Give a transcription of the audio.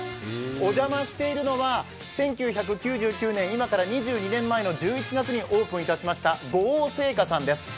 お邪魔しているのは１９９９年、今から２２年前の１１月にオープンいたしました五王製菓さんです。